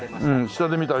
下で見た。